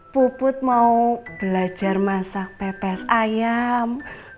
puput mau belajar masak pepes ayam